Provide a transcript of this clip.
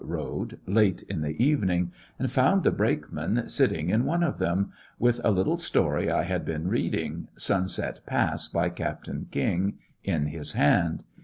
road, late in the evening, and found the brakeman sitting in one of them, with a little story I had been reading— "Sunset Pass," by Captain King— in his hand.